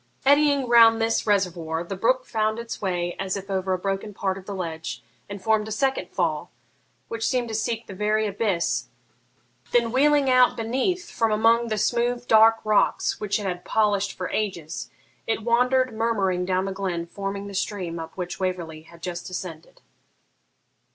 Eddying round this reservoir, the brook found its way as if over a broken part of the ledge, and formed a second fall, which seemed to seek the very abyss; then, wheeling out beneath from among the smooth dark rocks which it had polished for ages, it wandered murmuring down the glen, forming the stream up which Waverley had just ascended.